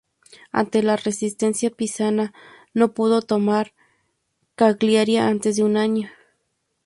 Ante la resistencia pisana no pudo tomar Cagliari antes de un año.